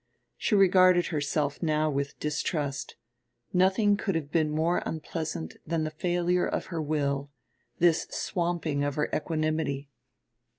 She regarded herself now with distrust; nothing could have been more unpleasant than the failure of her will, this swamping of her equanimity.